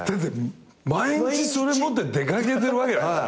毎日それ持って出掛けてるわけだから。